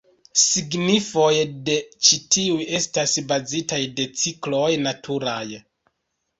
Signifoj de ĉi tiuj estas bazitaj de cikloj naturaj.